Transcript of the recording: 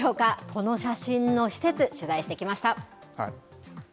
この写真の施設、取材してきました。